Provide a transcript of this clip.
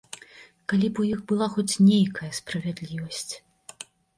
Калі б у іх была хоць нейкая справядлівасць.